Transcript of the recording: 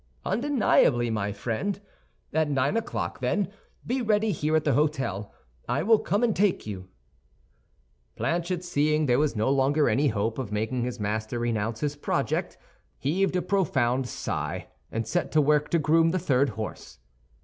"Undeniably, my friend. At nine o'clock, then, be ready here at the hôtel, I will come and take you." Planchet seeing there was no longer any hope of making his master renounce his project, heaved a profound sigh and set to work to groom the third horse.